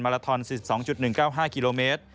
ลาทอน๑๒๑๙๕กิโลเมตร